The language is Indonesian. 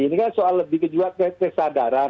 ini kan soal lebih kejuang kesadaran